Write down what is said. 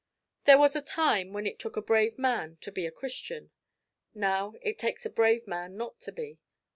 There was a time when it took a brave man to be a Christian. Now it takes a brave man not to be.